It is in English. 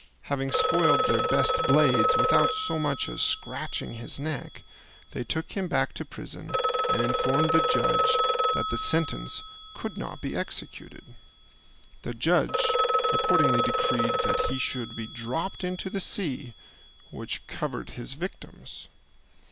Having spoiled their best blades without so much as scratching his neck, they took him back to prison and informed the judge that the sentence could not be executed. The judge accordingly decreed that he should be dropped into the sea which covered his victims.